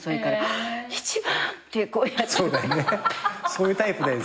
そういうタイプだよ。